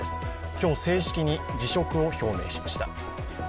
今日、正式に辞職を表明しました。